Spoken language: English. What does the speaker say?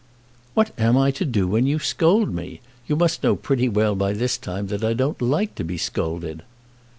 "What am I to do when you scold me? You must know pretty well by this time that I don't like to be scolded.